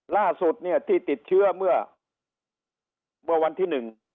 ล่าสุดที่ติดเชื้อเมื่อวันที่๑